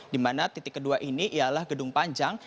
di mana titik kedua ini ialah gedung panjang